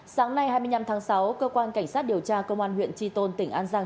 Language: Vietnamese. sáng nay hai mươi năm tháng sáu cơ quan cảnh sát điều tra công an huyện tri tôn tỉnh an giang